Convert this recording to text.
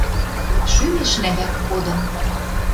Шӱмешнӓ вӓк кодын